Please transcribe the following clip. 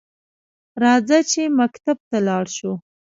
راځه چې مکتب ته لاړشوو؟